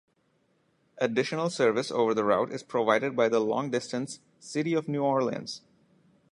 Additional service over the route is provided by the long-distance "City of New Orleans".